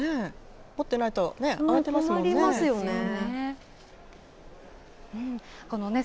持ってないとね、慌てますもんね。